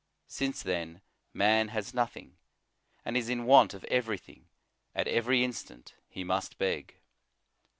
Since then man has nothing, and is in want of everything, at every instant he must beg.